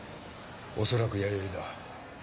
おそらく弥生だ。